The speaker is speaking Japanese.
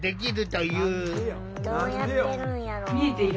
どうやってるんやろう。